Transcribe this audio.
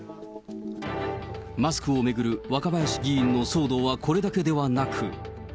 マスクを巡る若林議員の騒動はこれだけではなく。